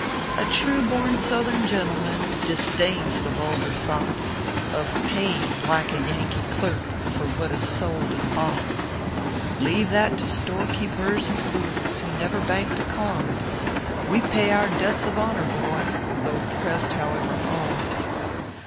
A true born Southern gentleman. Disdains the vulgar thought Of paying, like a Yankee clerk, For what is sold and bought. 78 ORPHEUS C, KERB PAPERS Leave that to storekeepers and fools "Who never banked a card; We pay our " debts of honor," boy, Though pressed however hard.